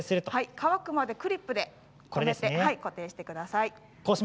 乾くまでクリップで固定してください。